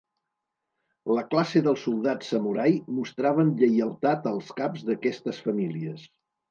La classe dels soldats samurai mostraven lleialtat als caps d'aquestes famílies.